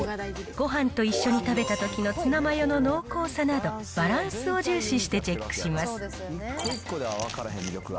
ごはんと一緒に食べたときのツナマヨの濃厚さなど、バランスを重視してチェックします。